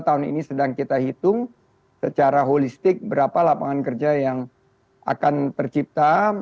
tahun ini sedang kita hitung secara holistik berapa lapangan kerja yang akan tercipta